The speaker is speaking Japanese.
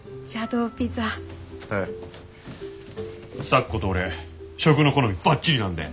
咲子と俺食の好みバッチリなんで。